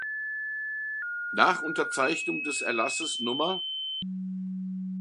Nach Unterzeichnung des Erlasses Nr.